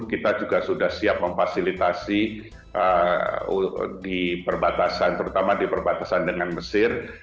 kita juga sudah siap memfasilitasi di perbatasan terutama di perbatasan dengan mesir